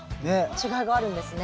違いがあるんですね。